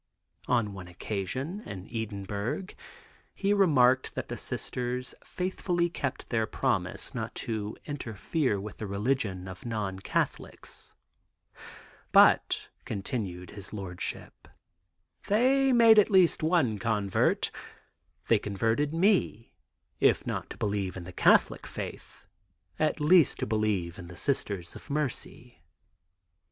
On one occasion, in Edinburgh, he remarked that the Sisters faithfully kept their promise not to interfere with the religion of non Catholics, but, continued his Lordship, "they made at least one convert; they converted me, if not to believe in the Catholic faith, at least to believe in the Sisters of Mercy."